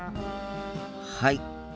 はい。